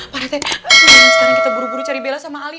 pak rt sekarang kita buru buru cari bella sama ali